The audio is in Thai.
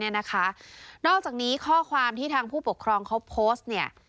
นอกจากนี้ข้อความที่ทางผู้ปกครองเขาโพสต์เนี่ย